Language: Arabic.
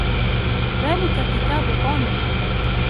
ذلك كتاب طوني.